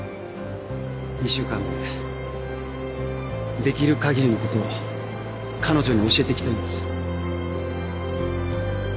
２週間でできる限りのことを彼女に教えていきたいんです。